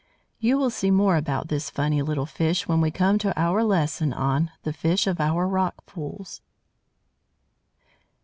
You will see more about this funny little fish when we come to our lesson on "The Fish of our Rock pools."